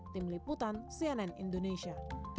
tim liputan cnn indonesia